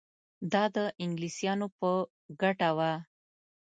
دا د انګلیسیانو په ګټه وه.